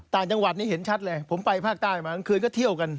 ต่างจังหวัดนี่เห็นชัดเลยผมไปภาคใต้มากลางคืนก็เที่ยวกัน